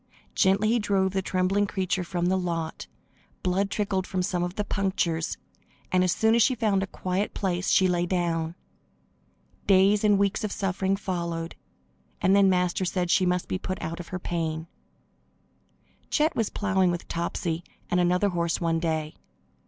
Gently he drove the trembling creature from the lot. Blood trickled from some of the punctures, and as soon as she found a quiet place she lay down. Days and weeks of suffering followed, and then Master said she must be put out of her pain. Chet was plowing with Topsy and another horse one day.